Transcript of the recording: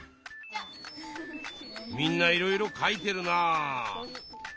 みんないろいろ書いてるなあ。